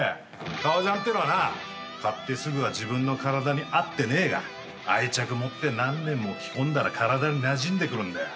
革ジャンってのはな買ってすぐは自分の体に合ってねえが愛着持って何年も着込んだら体になじんでくるんだよ。